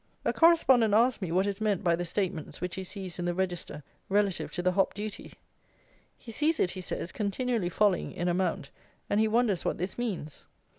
A correspondent asks me what is meant by the statements which he sees in the Register, relative to the hop duty? He sees it, he says, continually falling in amount; and he wonders what this means.